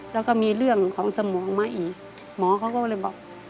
แล้วก็มีเรื่องของสมองมาอีกหมอเขาก็เลยบอก